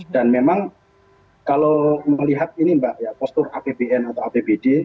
memang kalau melihat ini mbak ya postur apbn atau apbd